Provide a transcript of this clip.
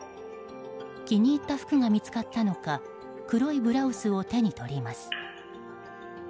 気に入った服が見つかったのか黒いブラウスを手に取ります。